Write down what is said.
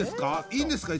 いいんですか？